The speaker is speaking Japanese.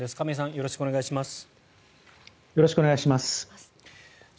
よろしくお願いします。